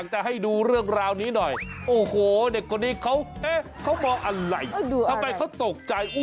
แป๊บเดียวเท่านั้นอีก